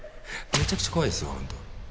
めちゃくちゃ怖いですよ本当。